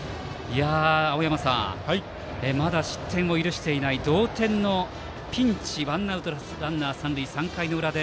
青山さんまだ失点を許していない同点のピンチワンアウトランナー、三塁３回の裏の